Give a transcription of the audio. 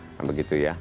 sama gitu ya